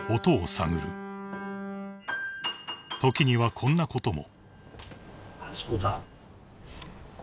［時にはこんなことも］